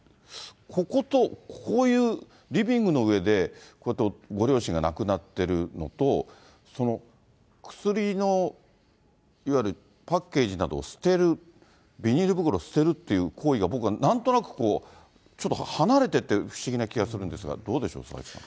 ここと、こういうリビングの上で、こうやってご両親が亡くなってるのと、薬のいわゆるパッケージなどを捨てる、ビニール袋を捨てるっていう行為が、僕はなんとなくこう、ちょっと離れてて不思議な気がするんですが、どうでしょう、佐々木さん。